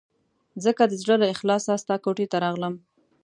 ځکه د زړه له اخلاصه ستا کوټې ته راغلم.